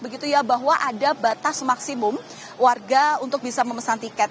begitu ya bahwa ada batas maksimum warga untuk bisa memesan tiket